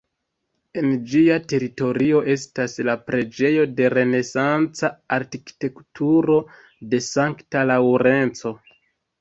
En ĝia teritorio estas la preĝejo de renesanca arkitekturo de sankta Laŭrenco.